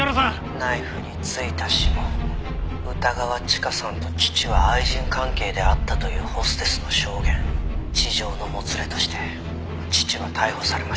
「ナイフに付いた指紋」「歌川チカさんと父は愛人関係であったというホステスの証言」「痴情のもつれとして父は逮捕されました」